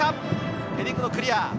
ヘディングクリア。